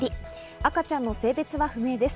赤ちゃんの性別は不明です。